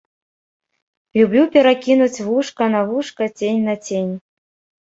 Люблю перакінуць вушка на вушка, цень на цень.